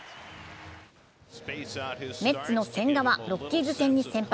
メッツの千賀はロッキーズ戦に先発。